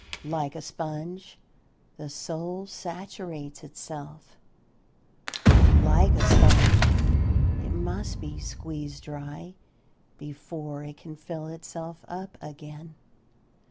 Like a sponge, the soul saturates itself; like a sponge, it must be squeezed dry before it can fill itself up again.